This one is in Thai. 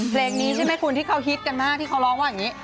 เพลงนี้ใช่ไหมคุณที่เขาฮิตกันมากที่เขาร้องว่าอย่างนี้